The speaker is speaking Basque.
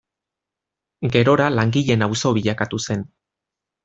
Gerora langileen auzo bilakatu zen.